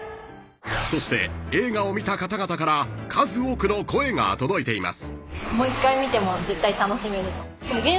［そして映画を見た方々から数多くの声が届いています］